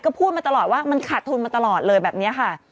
ก็พูดมาตลอดว่ามันขาดทุนมาตลอดเลยแบบนี้ค่ะ